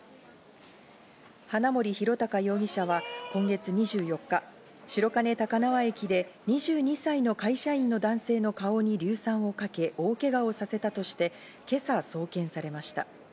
花森弘卓容疑者は今月２４日、白金高輪駅で２２歳の会社員の男性の顔に硫酸をかけ、大けがをさせたとして今朝送検されました。